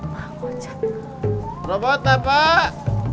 perabot pak pak